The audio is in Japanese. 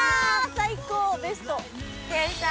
最高ベスト！